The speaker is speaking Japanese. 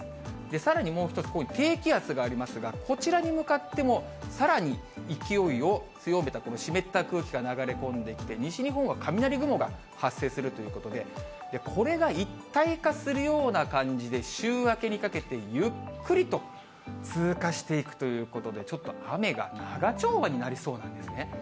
さらにもう１つ、ここに低気圧がありますが、こちらに向かっても、さらに勢いを強めた、この湿った空気が流れ込んできて、西日本は雷雲が発生するということで、これが一体化するような感じで、週明けにかけてゆっくりと通過していくということで、ちょっと雨が長丁場になりそうなんですね。